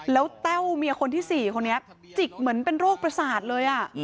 แล้วเต้าเขาเหมือนเป็นโรคปราศาสตร์เลย